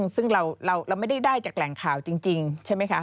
ซึ่งเราไม่ได้ได้จากแหล่งข่าวจริงใช่ไหมคะ